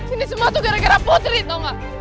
ini semua tuh gara gara putri tau gak